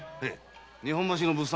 日本橋の物産